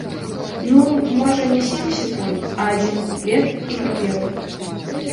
Ну, можа, не сем секунд, а адзін куплет і прыпеў.